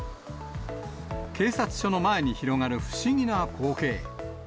警察署の前に広がる不思議な光景。